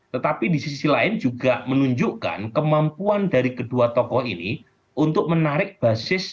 tetapi di sisi lain juga menunjukkan kemampuan dari kedua tokoh ini untuk menarik basis entah itu dari anies atau dari pak prabowo